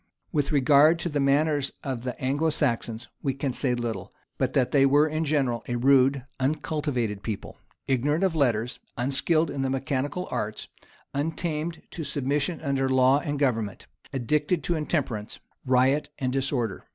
[] With regard to the manners of the Anglo Saxons, we can say little, but that they were in general a rude, uncultivated people, ignorant of letters, unskilled in the mechanical arts, untamed to submission under law and government, addicted to intemperance, riot, and disorder.